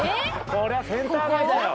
こりゃセンター街だよ。